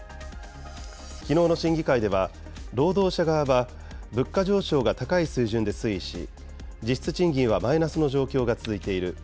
きのうの審議会では、労働者側は物価上昇が高い水準で推移し、実質賃金はマイナスの状況が続いている。